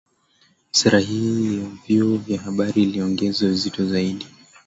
Sera hii ya vyo vya habari iliongezwa uzito zaidi